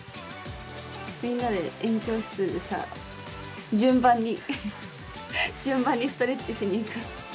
みんなで園長室でさ順番に順番にストレッチしにいく。